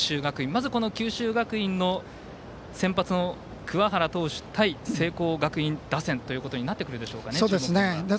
まず九州学院の先発の桑原投手対聖光学院打線ということになってくるでしょうかね。